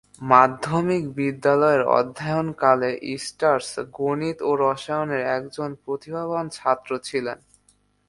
মাধ্যমিক বিদ্যালয়ে অধ্যয়নকালে, স্ট্রাসার গণিত ও রসায়নের একজন প্রতিভাবান ছাত্র ছিলেন।